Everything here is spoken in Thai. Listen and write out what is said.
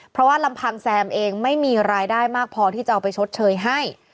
เพราะว่าลำพังแซมเองไม่มีรายได้มากพอที่จะเอาไปชดเชยให้